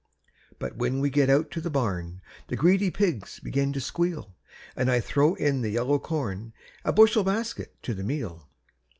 But when we get out to the barn The greedy pigs begin to squeal, An' I throw in the yellow corn, A bushel basket to the meal.